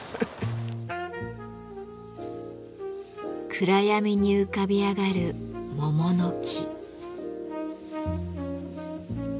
暗闇に浮かび上がる桃の木。